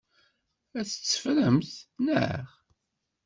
Ad tt-teffremt, naɣ?